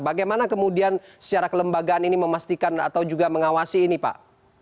bagaimana kemudian secara kelembagaan ini memastikan atau juga mengawasi ini pak